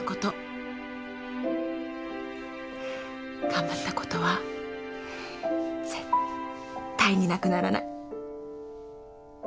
頑張ったことは絶対になくならない。